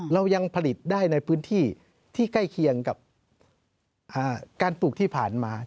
เรายังผลิตได้ในพื้นที่ที่ใกล้เคียงกับการปลูกที่ผ่านมา